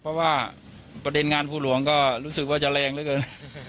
เพราะว่าประเด็นงานภูหลวงก็รู้สึกว่าจะแรงเหลือเกิน